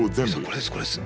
これですこれです！